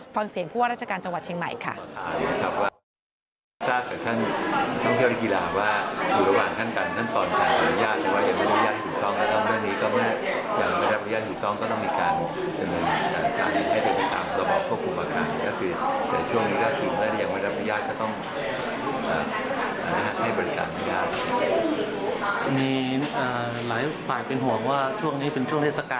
ฟังเสียงผู้ว่าราชการจังหวัดเชียงใหม่ค่ะ